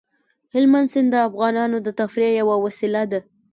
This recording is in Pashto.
هلمند سیند د افغانانو د تفریح یوه وسیله ده.